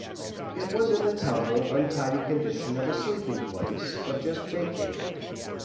It was in the tumbled, untidy condition of a sleeping place but just vacated.